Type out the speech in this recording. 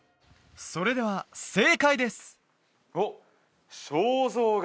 それでは正解ですおっ！